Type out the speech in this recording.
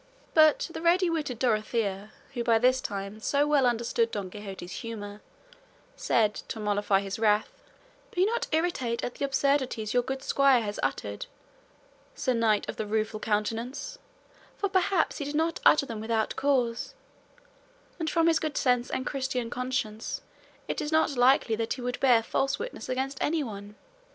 But the ready witted Dorothea, who by this time so well understood Don Quixote's humour, said, to mollify his wrath, "Be not irritated at the absurdities your good squire has uttered, Sir Knight of the Rueful Countenance, for perhaps he did not utter them without cause, and from his good sense and Christian conscience it is not likely that he would bear false witness against anyone.